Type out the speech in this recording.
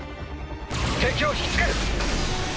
敵を引き付ける。